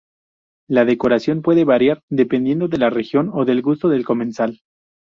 La decoración puede variar dependiendo de la región o del gusto del comensal.